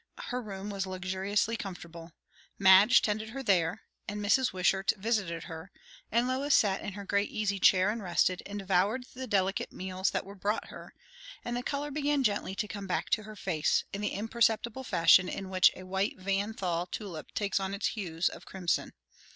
Her room was luxuriously comfortable; Madge tended her there, and Mrs. Wishart visited her; and Lois sat in her great easy chair, and rested, and devoured the delicate meals that were brought her; and the colour began gently to come back to her face, in the imperceptible fashion in which a white Van Thol tulip takes on its hues of crimson.